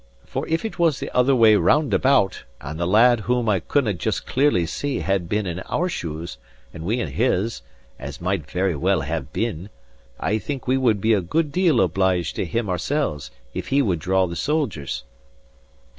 For if it was the other way round about, and the lad whom I couldnae just clearly see had been in our shoes, and we in his (as might very well have been), I think we would be a good deal obliged to him oursel's if he would draw the soldiers."